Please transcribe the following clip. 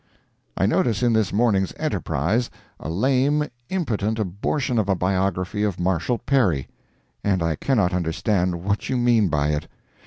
I notice in this morning's ENTERPRISE a lame, impotent abortion of a biography of Marshal Perry, and I cannot understand what you mean by it.